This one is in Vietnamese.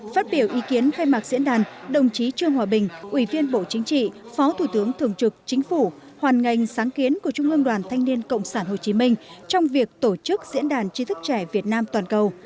phát biểu ý kiến khai mạc diễn đàn đồng chí trương hòa bình ủy viên bộ chính trị phó thủ tướng thường trực chính phủ hoàn ngành sáng kiến của trung ương đoàn thanh niên cộng sản hồ chí minh trong việc tổ chức diễn đàn chí thức trẻ việt nam toàn cầu